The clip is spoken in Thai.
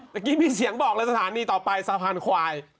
เมื่อกี้มีเสียงบอกเลยสถานีต่อไปสะพานควาย